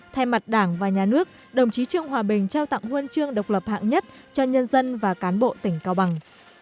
thay mặt đảng và nhà nước đồng chí trương hòa bình trao tặng huân chương độc lập hạng nhất cho nhân dân và cán bộ tỉnh cao bằng